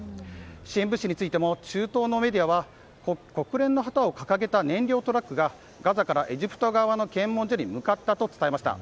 支援物資についても中東のメディアは国連の旗を掲げた燃料トラックがガザからエジプト側の検問所に向かったと伝えました。